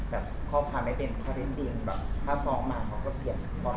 เขาพาไม่เป็นเขาเป็นจริงแบบถ้าฟ้องมาเขาก็เปลี่ยน